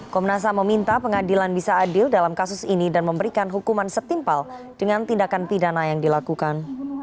komnas ham meminta pengadilan bisa adil dalam kasus ini dan memberikan hukuman setimpal dengan tindakan pidana yang dilakukan